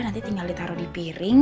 nanti tinggal ditaruh di piring